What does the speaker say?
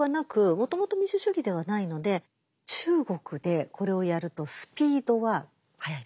もともと民主主義ではないので中国でこれをやるとスピードは速いです。